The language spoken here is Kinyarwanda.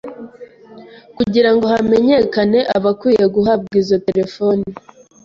kugira ngo hamenyekane abakwiye guhabwa izo telefoni